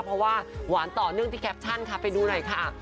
เพราะว่าหวานต่อเนื่องที่แคปชั่นค่ะไปดูหน่อยค่ะ